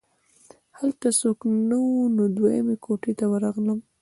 هلته څوک نه وو نو دویمې کوټې ته ورغلم